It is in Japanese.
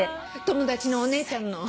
友達のお姉ちゃんの。